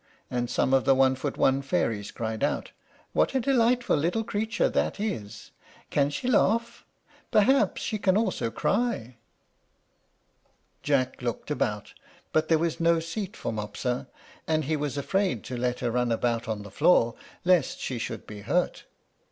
and some of the one foot one fairies cried out, "What a delightful little creature that is! She can laugh! Perhaps she can also cry!" Jack looked about, but there was no seat for Mopsa; and he was afraid to let her run about on the floor, lest she should be hurt.